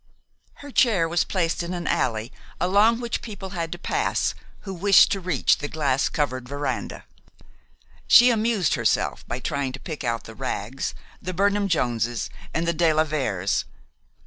Her chair was placed in an alley along which people had to pass who wished to reach the glass covered veranda. She amused herself by trying to pick out the Wraggs, the Burnham Joneses, and the de la Veres.